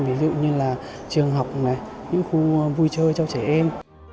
ví dụ như là trường học này những khu vui chơi cho trẻ em